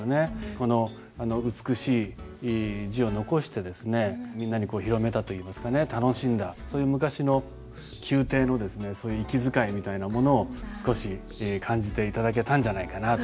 この美しい字を残してみんなに広めたといいますかね楽しんだ昔の宮廷の息遣いみたいなものを少し感じて頂けたんじゃないかなと思います。